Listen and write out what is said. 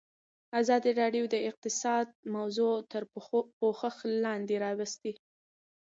ازادي راډیو د اقتصاد موضوع تر پوښښ لاندې راوستې.